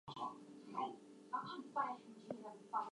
During the abortive Rising, he accidentally shot himself in the hand.